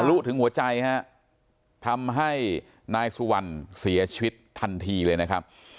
ลุถึงหัวใจฮะทำให้นายสุวรรณเสียชีวิตทันทีเลยนะครับ